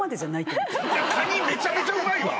カニめちゃめちゃうまいわ。